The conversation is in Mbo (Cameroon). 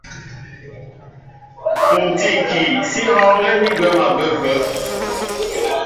Ní tí ikii, sí hɔ̄ɔ̄ŋɛ́ ni gwɛ̌m a bə ápə̄.